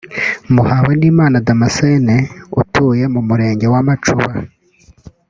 Muhawenimana Damascène utuye mu Murenge wa Macuba